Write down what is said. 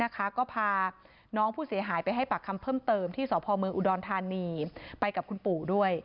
ก็พาน้องผู้เสียหายไปให้ปากคำเพิ่มเติมที่สพเมืองอุดรธานีไปกับคุณปู่ด้วย